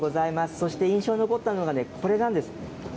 そして印象に残ったのが、これなんです。